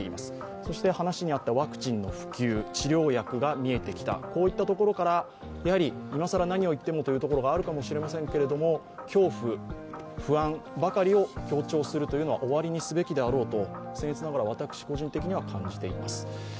そして話にあったワクチンの普及、治療薬が見えてきた、こういったところから、今さら何を言ってもというところがあるかもしれませんけれども恐怖、不安ばかりを強調するのは終わりにすべきであろうと僣越ながら、私個人的には感じています。